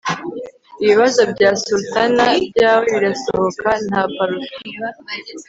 ibibazo bya sultana byawe birasohoka nta parufe